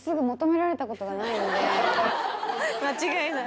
間違いない。